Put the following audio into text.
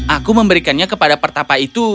aku memberikannya kepada pertapa itu